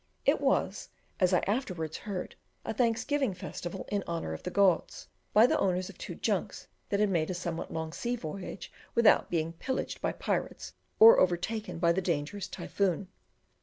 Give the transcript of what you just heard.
It was, as I afterwards heard, a thanksgiving festival in honour of the gods, by the owners of two junks that had made a somewhat long sea voyage without being pillaged by pirates, or overtaken by the dangerous typhoon.